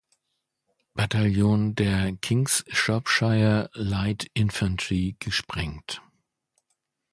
Bataillon der King's Shropshire Light Infantry gesprengt.